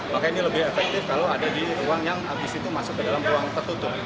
makanya ini lebih efektif kalau ada di ruang nyata